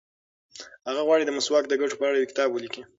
هغه غواړي چې د مسواک د ګټو په اړه یو کتاب ولیکي.